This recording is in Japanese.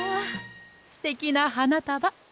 すてきなはなたば。